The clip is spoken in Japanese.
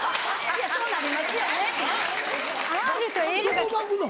どこ巻くの？